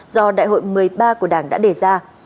do đại hội một mươi ba của đảng đã đề ra